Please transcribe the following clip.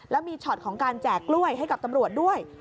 แล้วมีช็อตของการแจกกล้วยให้กับตำรวจด้วย